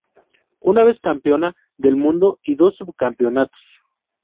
Una vez Campeona del mundo y dos subcampeonatos.